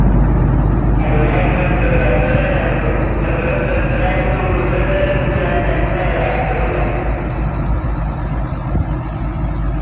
Además, dentro de la flora característica pueden encontrarse el enebro y la sabina rastrera.